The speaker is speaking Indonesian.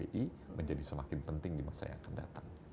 jadi menjadi semakin penting di masa yang akan datang